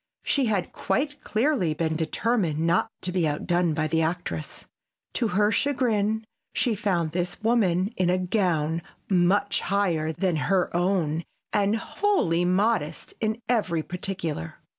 She had quite clearly been determined not to be outdone by the actress. To her chagrin she found this woman in a gown much higher than her own and wholly modest in every particular.